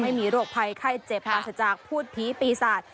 ให้มีโรคภัยไข้เจ็บมาศจากพุทธผีปีศาสตร์